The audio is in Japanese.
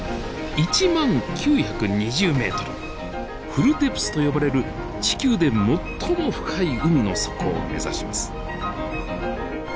１万９２０ｍフルデプスと呼ばれる地球で最も深い海の底を目指します。